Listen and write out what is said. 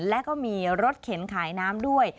และก็มีรถเข็นขายน้ำด้วย